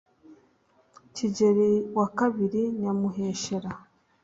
kigeli wa kabiri nyamuheshera